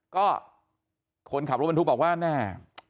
ก็คนขับรถบรรทุกบอกว่าแน่